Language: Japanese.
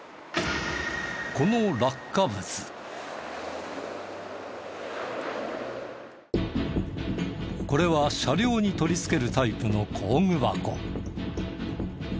このこれは車両に取り付けるタイプの工具箱。